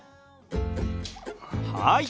はい！